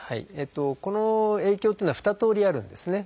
この影響っていうのは二通りあるんですね。